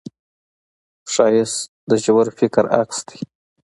ښایست د ژور فکر عکس دی